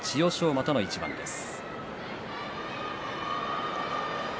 馬との一番です。